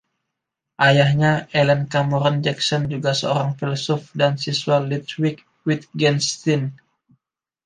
Ayahnya, Allan Cameron Jackson, juga seorang filsuf dan siswa Ludwig Wittgenstein.